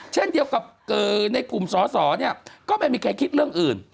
เช่นเดียวกับกุมสอก็ไม่มีใครคิดเรื่องอื่น